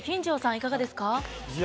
いかがでしたか？